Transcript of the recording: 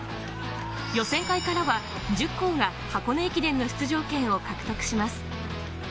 予選会からは１０校が箱根駅伝の出場権を獲得します。